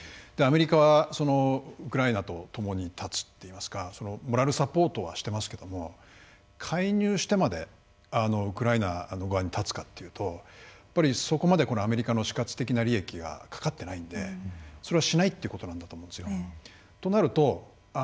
アメリカは、ウクライナとともに立つといいますかモラルサポートはしていますけれども介入してまでウクライナ側に立つかというとそこまでアメリカの死活的な利益はかかっていないのでそれはしないということなんだと思うんですよ。